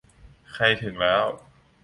ใครถึงแล้ว